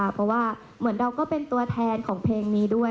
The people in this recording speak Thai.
เพราะว่าเหมือนเราก็เป็นตัวแทนของเพลงนี้ด้วย